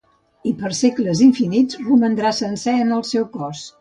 I per segles infinits romandrà sencer el seu cos.